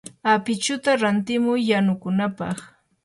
apichuta rantimuy yanukunapaq.